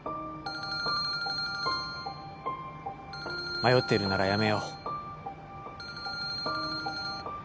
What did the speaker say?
迷ってるならやめよう